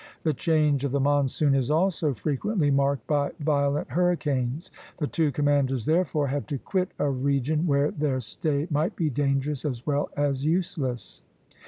The change of the monsoon is also frequently marked by violent hurricanes. The two commanders, therefore, had to quit a region where their stay might be dangerous as well as useless.